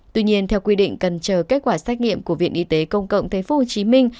tuy nhiên theo quy định cần chờ kết quả xét nghiệm của viện y tế công cộng thành phố hồ chí minh